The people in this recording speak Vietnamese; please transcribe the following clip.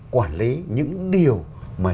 quản lý những điều mà